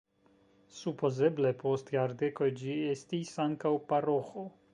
Supozeble post jardekoj ĝi estis ankaŭ paroĥo.